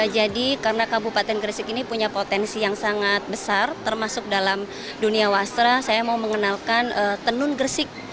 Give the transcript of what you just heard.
jadi karena kabupaten gresik ini punya potensi yang sangat besar termasuk dalam dunia wasra saya mau mengenalkan tenun gresik